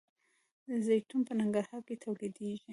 زیتون په ننګرهار کې تولیدیږي.